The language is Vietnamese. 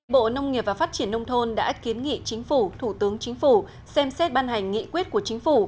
bộ nông nghiệp và phát triển nông thôn đã kiến nghị chính phủ thủ tướng chính phủ xem xét ban hành nghị quyết của chính phủ